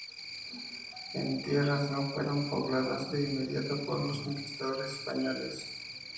Estas tierras no fueron pobladas de inmediato por los conquistadores españoles.